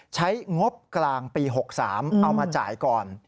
งบกลางปี๖๓เอามาจ่ายก่อน